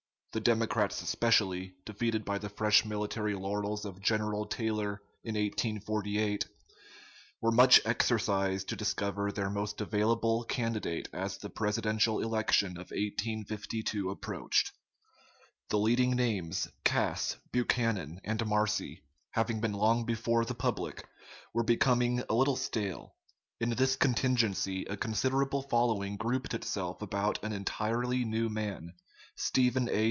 The Democrats especially, defeated by the fresh military laurels of General Taylor in 1848, were much exercised to discover their most available candidate as the presidential election of 1852 approached. The leading names, Cass, Buchanan, and Marcy, having been long before the public, were becoming a little stale. In this contingency, a considerable following grouped itself about an entirely new man, Stephen A.